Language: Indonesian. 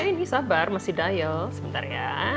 ini sabar masih diel sebentar ya